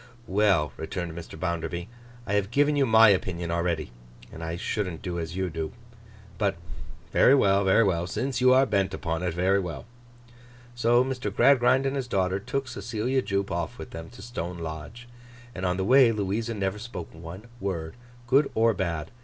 'Well,' returned Mr. Bounderby, 'I have given you my opinion already, and I shouldn't do as you do. But, very well, very well. Since you are bent upon it, very well!' So, Mr. Gradgrind and his daughter took Cecilia Jupe off with them to Stone Lodge, and on the way Louisa never spoke one word, good or bad.